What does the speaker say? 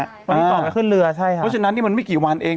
ใช่วันที่สองพี่ไปขึ้นเรือใช่ค่ะเพราะฉะนั้นที่มันไม่กี่วันเอง